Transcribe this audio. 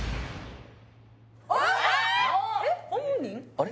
あれ？